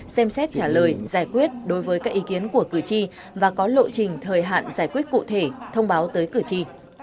xem xét trả lời giải quyết đối với các ý kiến của cử tri và có lộ trình thời hạn giải quyết cụ thể thông báo tới cử tri